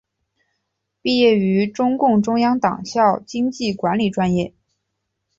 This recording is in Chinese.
毕业于中共中央党校经济管理专业。